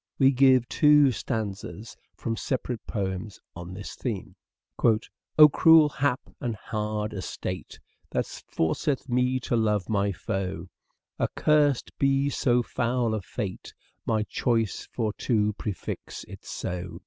We give two stanzas from separate poems on this theme :" O cruel hap and hard estate That forceth me to love my foe ; Accursed be so foul a fate, My choice for to prefix it so.